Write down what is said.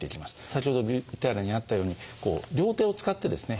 先ほどＶＴＲにあったように両手を使ってですね